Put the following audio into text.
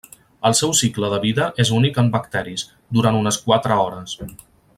El seu cicle de vida és únic en bacteris, durant unes quatre hores.